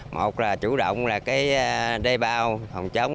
một là chủ động đê bao phòng trống